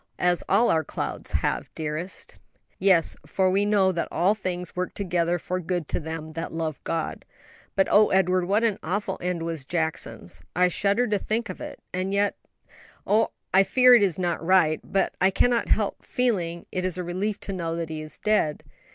"As all our clouds have, dearest." "Yes; for 'we know that all things work together for good to them that love God!' But oh, Edward, what an awful end was Jackson's. I shudder to think of it? and yet oh, I fear it is not right but I cannot help feeling it a relief to know that he is dead.